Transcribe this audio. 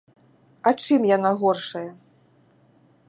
А чым яна горшая?